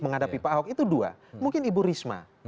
menghadapi pak ahok itu dua mungkin ibu risma